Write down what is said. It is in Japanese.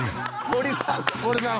森さん！